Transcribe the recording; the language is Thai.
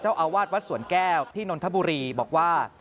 เจ้าอาวาสวัสดิ์วัดสวนแก้วที่นทบุรีบอกว่า